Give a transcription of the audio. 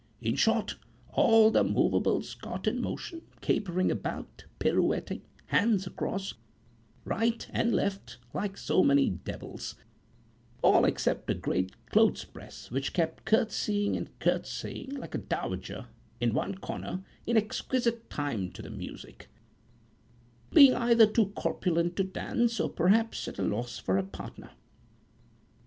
In short, all the moveables got in motion, capering about; pirouetting, hands across, right and left, like so many devils, all except a great clothes press, which kept curtseying and curtseying, like a dowager, in one corner, in exquisite time to the music; being either too corpulent to dance, or perhaps at a loss for a partner.